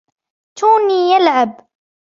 توني يلعب.